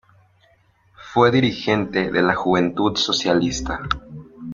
Fue dirigente de la Juventud Socialista.